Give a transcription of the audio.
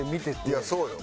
いやそうよ。